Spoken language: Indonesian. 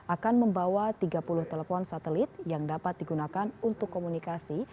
akan membawa tiga puluh telepon satelit yang dapat digunakan untuk komunikasi